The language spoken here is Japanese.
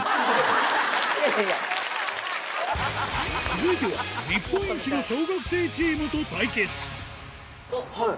続いては日本一の小学生チームと対決あぁ